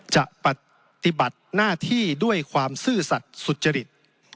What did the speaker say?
จะปฏิบัติหน้าที่ด้วยความซื่อสัตว์สุจริต